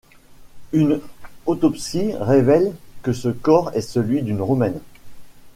Une autopsie révèle que ce corps est celui d'une Roumaine.